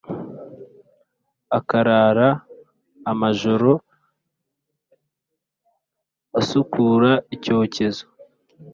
akarara amajoro asukura icyocyezo.